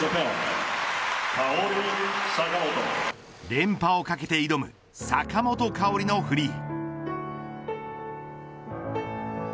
連覇を懸けて挑む坂本花織のフリー。